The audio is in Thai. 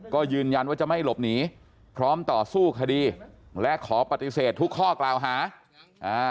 ก็ยืนยันว่าจะไม่หลบหนีพร้อมต่อสู้คดีและขอปฏิเสธทุกข้อกล่าวหาอ่า